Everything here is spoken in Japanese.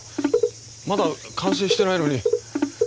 まだ完成してないのに。